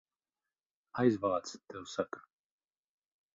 Aizvāc, tev saka!